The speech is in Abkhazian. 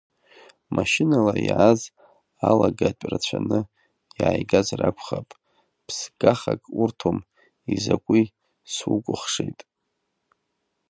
Машьынала иааз алагатә рацәаны иааигазар акәхап, ԥсгахак урҭом, изакәи сукәыхшеит…